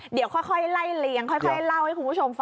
เดี๋ยวค่อยไล่เลี้ยงค่อยเล่าให้คุณผู้ชมฟัง